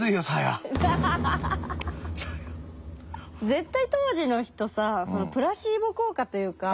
絶対当時の人さプラシーボ効果というか。